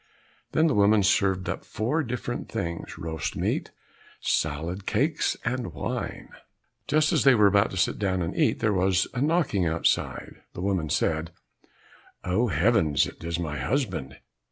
Then the woman served up four different things, roast meat, salad, cakes, and wine. Just as they were about to sit down and eat, there was a knocking outside. The woman said, "Oh, heavens! It is my husband!"